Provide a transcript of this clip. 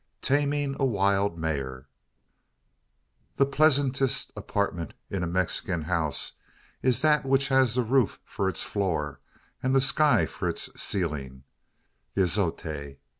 TAMING A WILD MARE. The pleasantest apartment in a Mexican house is that which has the roof for its floor, and the sky for its ceiling the azotea.